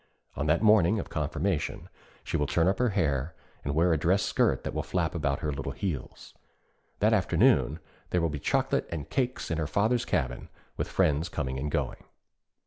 On that morning of confirmation she will turn up her hair, and wear a dress skirt that will flap about her little heels. And that afternoon there will be chocolate and cakes in her father's cabin, with friends coming and going.